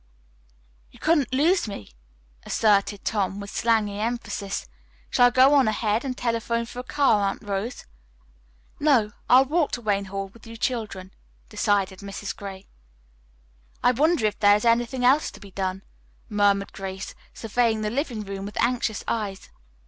"You couldn't lose me," asserted Tom with slangy emphasis. "Shall I go on ahead and telephone for a car, Aunt Rose?" "No, I'll walk to Wayne Hall with you children," decided Mrs. Gray. "I wonder if there is anything else to be done," murmured Grace, surveying the living room with anxious eyes.